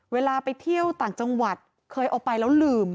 เวลาไปเที่ยวต่างจังหวัดเคยเอาไปแล้วลืม